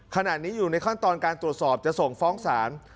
ขณะนี้อยู่ในขั้นตอนการตรวจสอบจะส่งฟ้องศาล